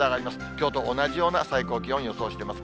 きょうと同じような最高気温、予想しています。